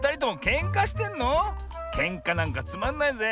けんかなんかつまんないぜ。